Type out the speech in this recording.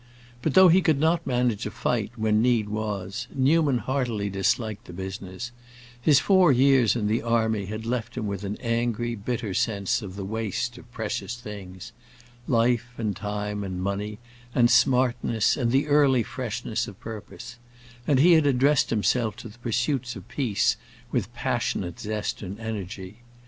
But though he could manage a fight, when need was, Newman heartily disliked the business; his four years in the army had left him with an angry, bitter sense of the waste of precious things—life and time and money and "smartness" and the early freshness of purpose; and he had addressed himself to the pursuits of peace with passionate zest and energy.